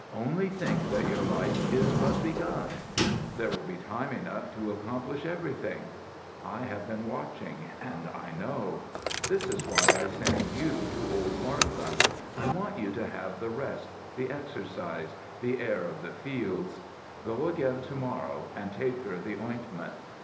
Only think that your life is but begun; there will be time enough to accomplish everything. I have been watching, and I know. This is why I send you to old Martha. I want you to have the rest, the exercise, the air of the fields. Go again to morrow, and take her the ointment.